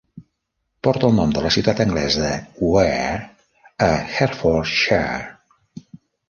Porta el nom de la ciutat anglesa de Ware a Hertfordshire.